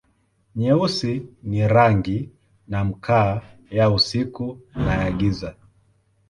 Nyeusi ni rangi na makaa, ya usiku na ya giza.